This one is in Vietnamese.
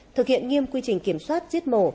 thực hiện nghiêm quy trình kiểm soát giết mổ